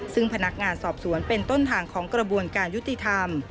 ซึ่งพนักงานสอบสวนเป็นต้นทางของกระบวนการยุติธรรม